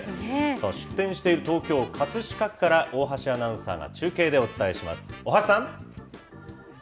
出店している東京・葛飾区から大橋アナウンサーが中継でお伝えします。